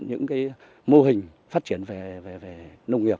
những mô hình phát triển về nông nghiệp